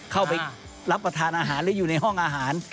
เข้าไปรับประทานอาหารหรืออยู่ในห้องอาหาร